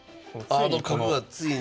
あの角がついに！